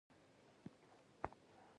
ډګروال خواجه محمد خان وفات شوی.